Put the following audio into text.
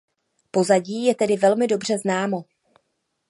Pozadí je tedy velmi dobře známo.